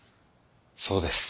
そうです。